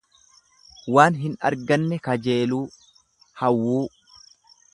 Waan hin arganne kajeeluu, hawwuu.